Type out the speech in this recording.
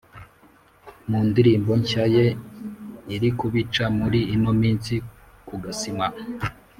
Mundirimbo nshya ye irikubica muri ino minsi kugasima